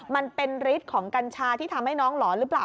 มันเป็นฤทธิ์ของกัญชาที่ทำให้น้องหลอนหรือเปล่า